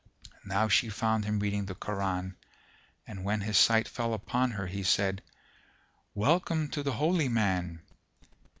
Now she found him reading the Koran and when his sight fell upon her he said, "Welcome to the Holy Man!"